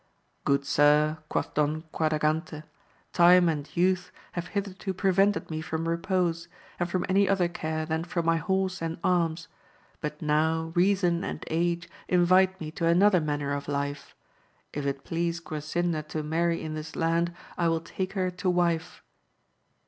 Good sir, quoth Don Quadragante, time and youth have hitherto prevented me from repose, and from any other care than for my horse and arms, but now reason and age invite me to another manner of life ; if it please Grasinda to marry in this land, I will take her to wife.